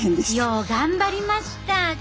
よう頑張りました。